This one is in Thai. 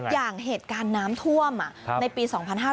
อย่างเหตุการณ์น้ำท่วมในปี๒๕๕๙